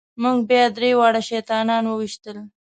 موږ بیا درې واړه شیطانان وويشتل.